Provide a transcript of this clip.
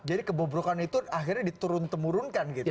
jadi kebobrokan itu akhirnya diturun temurunkan gitu ya